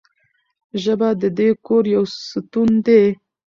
ژبه د دې کور یو ستون دی.